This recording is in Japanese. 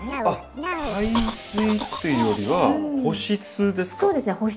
あっ排水っていうよりは保湿ですか？